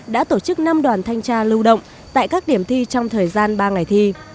đã tổ chức năm đoàn thanh tra lưu động tại các điểm thi trong thời gian ba ngày thi